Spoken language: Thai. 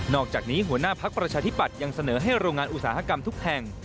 อกจากนี้หัวหน้าพักประชาธิปัตย์ยังเสนอให้โรงงานอุตสาหกรรมทุกแห่ง